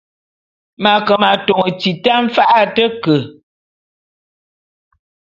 M’ake m’atôn tita mfa’a a te ke.